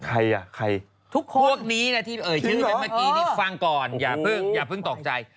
ใครอ่ะใครพวกนี้นะที่เอ่ยชื่อเป็นเมื่อกี้ฟังก่อนอย่าเพิ่งตกใจ